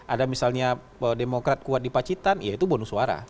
ada misalnya demokrat kuat di pacitan ya itu bonus suara